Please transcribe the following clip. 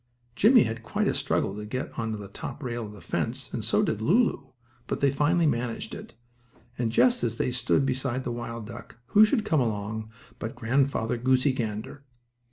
Jimmie had quite a struggle to get on the top rail of the fence, and so did Lulu, but they finally managed it, and, just as they stood beside the wild duck, who should come along but Grandfather Goosey Gander.